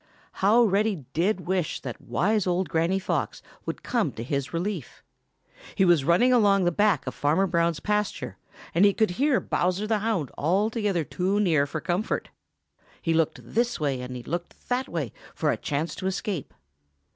How Reddy did wish that wise old Granny Fox would come to his relief. He was running along the back of Farmer Brown's pasture, and he could hear Bowser the Hound altogether too near for comfort. He looked this way and he looked that way for a chance to escape.